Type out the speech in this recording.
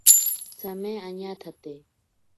Tsame añatsate.